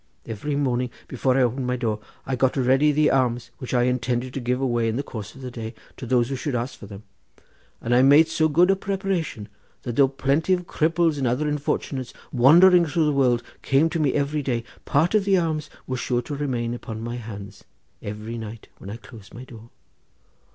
Every morning, before I opened my door, I got ready the alms which I intended to give away in the course of the day to those that should ask for them, and I made so good a preparation that, though plenty of cripples and other unfortunates wandering through the world came to me every day, part of the alms was sure to remain upon my hands every night when I closed my door.